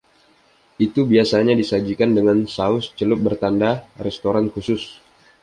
Itu biasanya disajikan dengan saus celup bertanda restoran khusus.